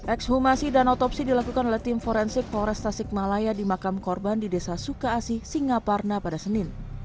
ekshumasi dan otopsi dilakukan oleh tim forensik polres tasikmalaya di makam korban di desa suka asih singaparna pada senin